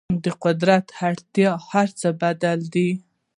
د قدرت اړتیا هر څه بدلوي.